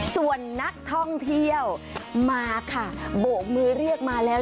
ส่วนนักท่องเที่ยวมาค่ะโบกมือเรียกมาแล้ว